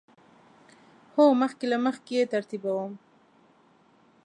هو، مخکې له مخکی نه یی ترتیبوم